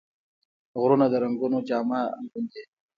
غرونه د رنګونو جامه اغوندي